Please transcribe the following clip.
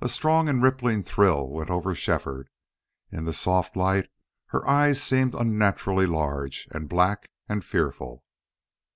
A strong and rippling thrill went over Shefford. In the soft light her eyes seemed unnaturally large and black and fearful.